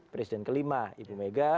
presiden ke lima ibu mega